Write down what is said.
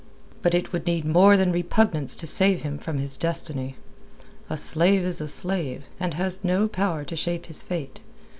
But it would need more than repugnance to save him from his destiny. A slave is a slave, and has no power to shape his fate.